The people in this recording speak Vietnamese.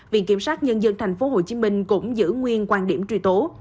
viện kiểm sát nhân dân tp hcm cũng giữ nguyên quan điểm truy tố